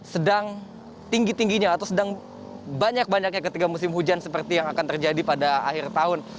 sedang tinggi tingginya atau sedang banyak banyaknya ketika musim hujan seperti yang akan terjadi pada akhir tahun